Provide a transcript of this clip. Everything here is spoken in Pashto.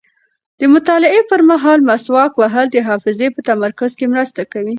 د مطالعې پر مهال مسواک وهل د حافظې په تمرکز کې مرسته کوي.